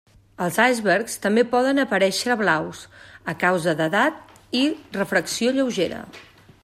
Els icebergs també poden aparèixer blaus a causa d'edat i refracció lleugera.